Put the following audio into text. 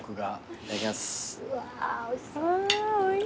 いただきます。